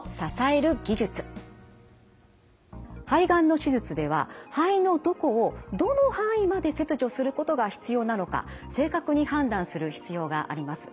肺がんの手術では肺のどこをどの範囲まで切除することが必要なのか正確に判断する必要があります。